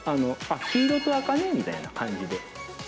あっ、黄色と赤ね、みたいな感じで。